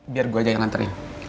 biar gue aja yang ngantri